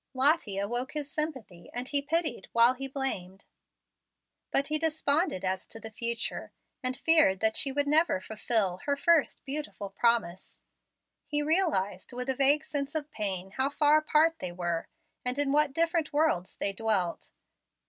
Lottie awoke his sympathy, and he pitied while he blamed. But he desponded as to the future, and feared that she would never fulfil her first beautiful promise. He realized, with a vague sense of pain, how far apart they were, and in what different worlds they dwelt.